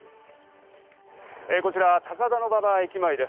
こちら、高田馬場駅前です。